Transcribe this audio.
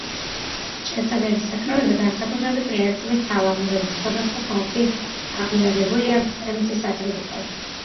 ჩასაბერი საკრავები, განსაკუთრებით ლერწმის სალამურები, სხვადასხვა ხალხში აღიარებულია მწყემსის ატრიბუტად.